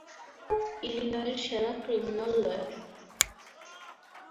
ইলিনয়ের সেরা criminal lawyer.